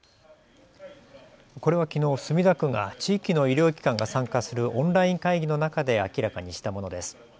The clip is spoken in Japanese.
これはきのう墨田区が地域の医療機関が参加するオンライン会議の中で明らかにしたものです。